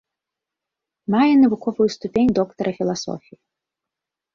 Мае навуковую ступень доктара філасофіі.